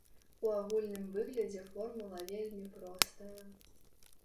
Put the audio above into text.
У агульным выглядзе формула вельмі простая.